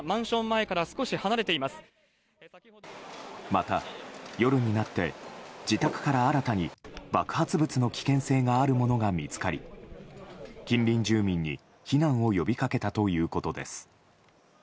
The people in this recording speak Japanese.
また、夜になって自宅から新たに爆発物の危険性があるものが見つかり近隣住民に避難を呼びかけたということです。